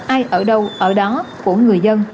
ai ở đâu ở đó của người dân